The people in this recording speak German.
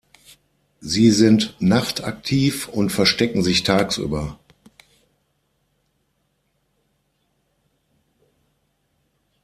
Sie sind nachtaktiv und verstecken sich tagsüber.